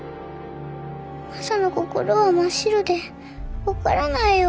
マサの心は真っ白で分からないよ。